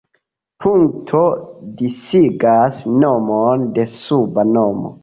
Punkto disigas nomon de suba nomo.